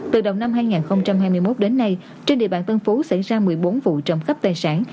từ đầu năm hai nghìn hai mươi một đến nay trên địa bàn tân phú xảy ra một mươi bốn vụ trộm cắp tài sản